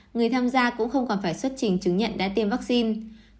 người tham gia cũng không còn phải xuất trình chứng nhận đã tiêm vaccine